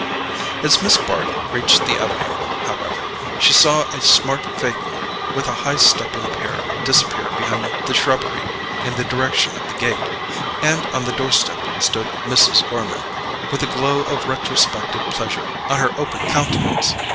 As Miss Bart reached the avenue, however, she saw a smart phaeton with a high stepping pair disappear behind the shrubbery in the direction of the gate; and on the doorstep stood Mrs. Gormer, with a glow of retrospective pleasure on her open countenance.